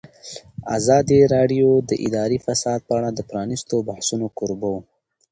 ازادي راډیو د اداري فساد په اړه د پرانیستو بحثونو کوربه وه.